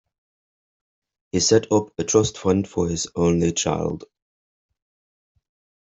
He set up a trust fund for his only child.